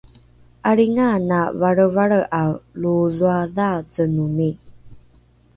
’alringaana valrevalre’ae lo dhoadhaacenomi